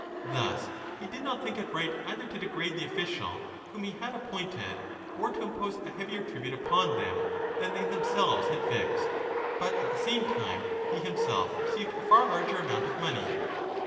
Thus he did not think it right either to degrade the official whom he had appointed or to impose a heavier tribute upon them than they themselves had fixed, but at the same time he himself received a far larger amount of money.